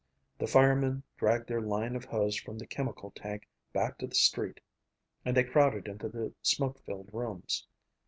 The firemen dragged their line of hose from the chemical tank back to the street and they crowded into the smoke filled rooms.